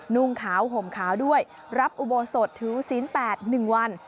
นุ่งขาวห่มขาวด้วยรับอุโบสถถือศีล๘๑วัน